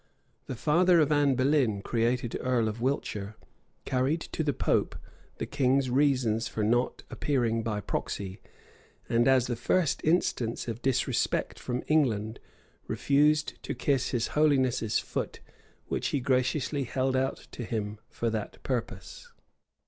The father of Anne Boleyn, created earl of Wiltshire, carried to the pope the king's reasons for not appearing by proxy; and, as the first instance of disrespect from England, refused to kiss his holiness's foot which he very graciously held out to him for that purpose.